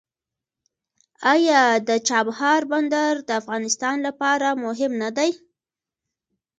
آیا د چابهار بندر د افغانستان لپاره مهم نه دی؟